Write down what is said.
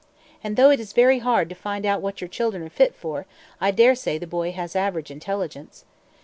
And though it is very hard to find out what your children are fit for, I dare say the boy has average intelligence."